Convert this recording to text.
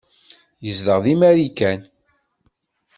Yezdeɣ deg Marikan.